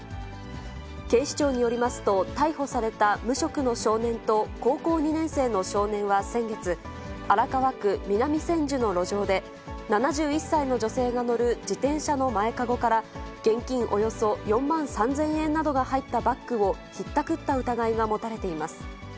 警視庁によりますと、逮捕された無職の少年と高校２年生の少年は先月、荒川区南千住の路上で、７１歳の女性が乗る自転車の前籠から現金およそ４万３０００円などが入ったバッグをひったくった疑いが持たれています。